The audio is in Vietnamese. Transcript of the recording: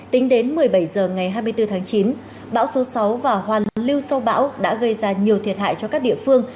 tính đến một mươi bảy h ngày hai mươi bốn tháng chín bão số sáu và hoàn lưu sau bão đã gây ra nhiều thiệt hại cho các địa phương